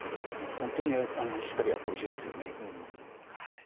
本当にしっかりやってほしいですね。